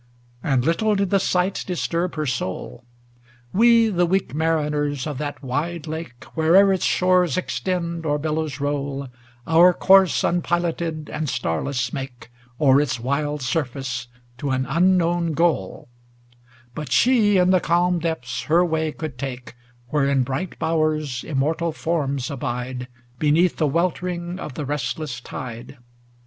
LXIII And little did the sight disturb her soul. We, the weak mariners of that wide lake, Where'er its shores extend or billows roll, Our course unpiloted and starless make O'er its wild surface to an unknown goal; But she in the calm depths her way could take Where in bright bowers immortal forms abide, Beneath the weltering of the restless tide.